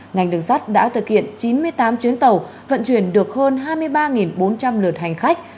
ngành đường sắt đã thực hiện chín mươi tám chuyến tàu vận chuyển được hơn hai mươi ba bốn trăm linh lượt hành khách